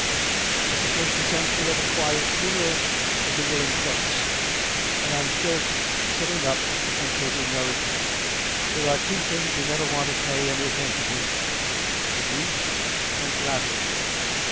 But the first essential of a quiet funeral is a willing corpse. And I'm still sitting up and taking nourishment. There are two things you never want to pay any attention to abuse and flattery.